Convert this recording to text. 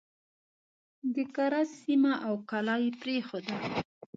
د کرز سیمه او کلا پرېښوده.